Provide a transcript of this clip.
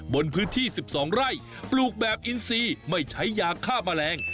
บนพื้นที่๑๒ไร่ปลูกแบบอินซีไม่ใช้ยาฆ่าแมลง